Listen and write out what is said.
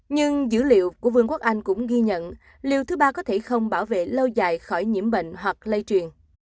nhưng dữ liệu của vương quốc anh cũng ghi nhận liệu thứ ba có thể không bảo vệ lâu dài khỏi nhiễm bệnh hoặc lây truyền